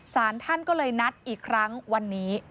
สารท่านก็เลยนัดอีกครั้งวันนี้